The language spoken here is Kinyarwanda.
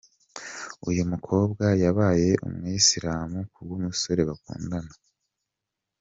Uyu mukobwa yabaye umuyisilamu ku bw’umusore bakundanaga.